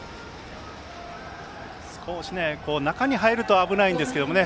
少し、中に入ると危ないんですけどね